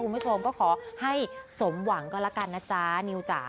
ผู้ชมก็ขอให้สมหวังก็ละกัน